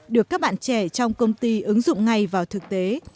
được các bạn trẻ trong công ty ứng dụng ngay vào thực tế